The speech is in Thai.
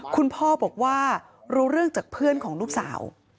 คุณพ่อบอกว่ารู้เรื่องจากเพื่อนของลูกสาว